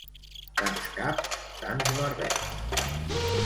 Tants caps tants barrets